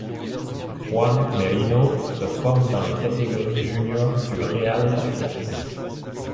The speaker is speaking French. Juan Merino se forme dans les catégories juniors du Real Betis.